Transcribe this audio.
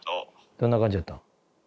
どんな感じやったん？